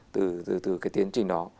từ cái tiến trình đó